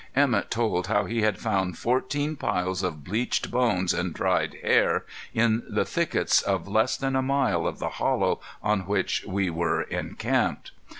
Emett told how he had found fourteen piles of bleached bones and dried hair in the thickets of less than a mile of the hollow on which we were encamped.